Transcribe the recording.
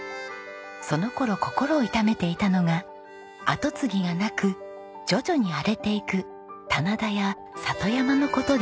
その頃心を痛めていたのが後継ぎがなく徐々に荒れていく棚田や里山の事でした。